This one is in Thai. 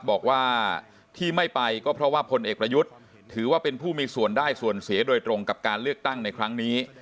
บอกว่าที่ไม่ไปก็เพราะว่าพลเอกประยุทธ์ถือว่าเป็นผู้มีส่วนได้ส่วนเสียโดยตรงกับการเลือกตั้งในครั้งนี้